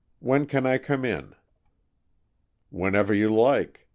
When can I come in?" "Whenever you like.